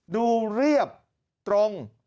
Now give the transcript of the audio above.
ดูเรียบตรง